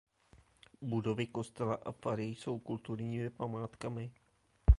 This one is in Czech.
Budovy kostela a fary jsou kulturními památkami.